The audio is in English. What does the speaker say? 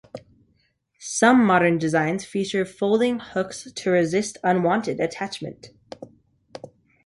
Some modern designs feature folding hooks to resist unwanted attachment.